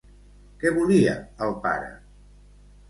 Què volia el pare?